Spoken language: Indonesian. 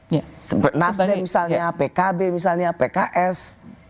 nas deh misalnya pkb misalnya pks